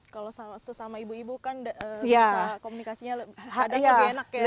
kalau sesama ibu ibu kan bisa komunikasinya kadang lebih enak ya